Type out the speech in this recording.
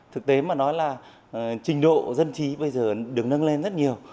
thực tế mà nói là trình độ dân trí bây giờ được nâng lên rất nhiều